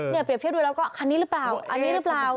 เปรียบเทียบดูแล้วก็คันนี้หรือเปล่าอันนี้หรือเปล่า